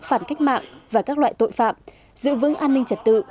phản cách mạng và các loại tội phạm giữ vững an ninh trật tự